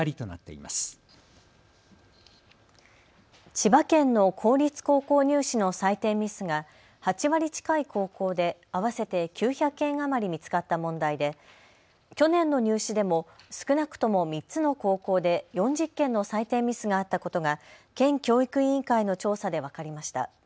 千葉県の公立高校入試の採点ミスが８割近い高校で合わせて９００件余り見つかった問題で去年の入試でも少なくとも３つの高校で４０件の採点ミスがあったことが県教育委員会の調査で分かりました。